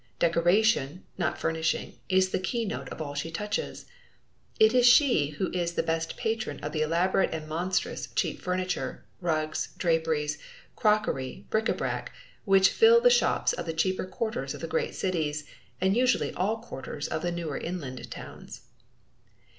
Decoration, not furnishing, is the keynote of all she touches. It is she who is the best patron of the elaborate and monstrous cheap furniture, rugs, draperies, crockery, bric a brac, which fill the shops of the cheaper quarters of the great cities, and usually all quarters of the newer inland towns.